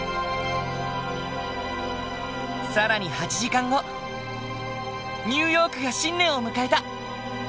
更に８時間後ニューヨークが新年を迎えた！